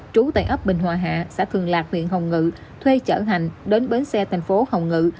trú tại ấp bình hòa hạ xã thường lạc huyện hồng ngự thuê chở hành đến bến xe thành phố hồng ngự